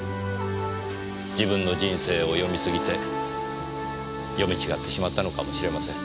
自分の人生を読みすぎて読み違ってしまったのかもしれません。